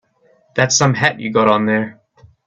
That's some hat you got on there.